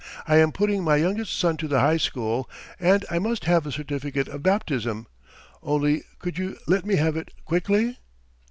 I am putting my youngest son to the high school and I must have a certificate of baptism; only could you let me have it quickly?"